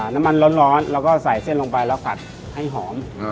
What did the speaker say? น้ำมันร้อนแล้วก็ใส่เส้นลงไปแล้วผัดให้หอม